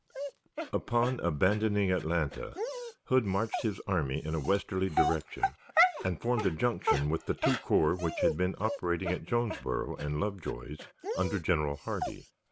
Upon abandoning Atlanta, Hood marched his army in a westerly direction, and formed a junction with the two corps which had been operating at Jonesboro and Lovejoy's under General Hardee.